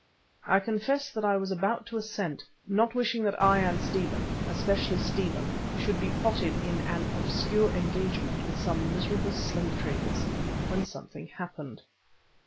I confess that I was about to assent, not wishing that I and Stephen, especially Stephen, should be potted in an obscure engagement with some miserable slave traders, when something happened.